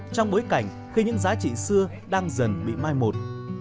trong bối cảnh khi những giá trị xưa đang dần bị mai một